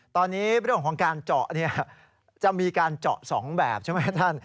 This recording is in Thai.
ตอนนี้เรื่องของการเจาะจะมีการเจาะ๒แบบใช่ไหมท่าน